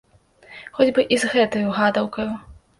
Хоць бы і з гэтаю гадаўкаю!